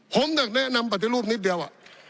ผมอยากแนะนำปฏิรูปนิดเดียว